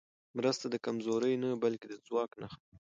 مرسته د کمزورۍ نه، بلکې د ځواک نښه ده.